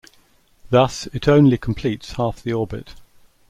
Thus, it only completes half the orbit.